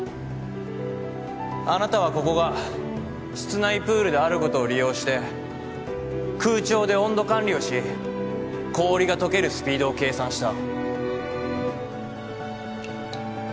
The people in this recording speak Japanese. あなたはここが室内プールであることを利用して空調で温度管理をし氷がとけるスピードを計算した。